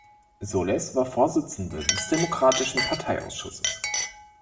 Soles war Vorsitzender des Demokratischen Parteiausschusses.